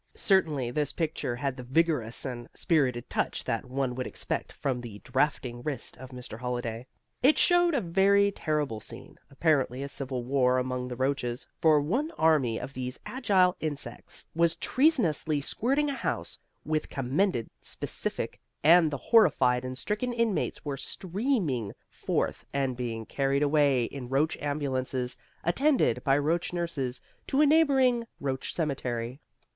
Certainly this picture had the vigorous and spirited touch that one would expect from the draughting wrist of Mr. Holliday. It showed a very terrible scene, apparently a civil war among the roaches, for one army of these agile insects was treasonously squirting a house with the commended specific, and the horrified and stricken inmates were streaming forth and being carried away in roach ambulances, attended by roach nurses, to a neighbouring roach cemetery.